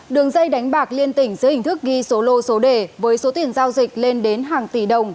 đường dây đánh bạc liên tỉnh dưới hình thức ghi số lô số đề với số tiền giao dịch lên đến hàng tỷ đồng